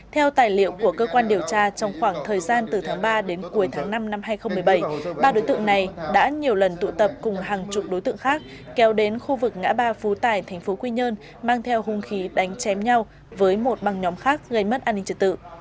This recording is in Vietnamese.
theo tài liệu của cơ quan điều tra trong khoảng thời gian từ tháng ba đến cuối tháng năm năm hai nghìn một mươi bảy ba đối tượng này đã nhiều lần tụ tập cùng hàng chục đối tượng khác kéo đến khu vực ngã ba phú tải tp quy nhơn mang theo hung khí đánh chém nhau với một băng nhóm khác gây mất an ninh trật tự